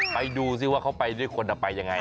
ไปดูซิว่าเขาไปด้วยคนไปยังไง